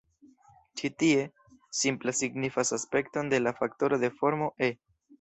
Ĉi tie, 'simpla' signifas aspekton de la faktoro de formo "e".